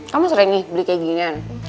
kamu sering nih beli kayak ginian